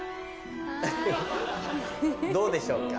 どうでしょうか？